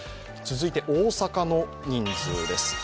続いて大阪の人数です。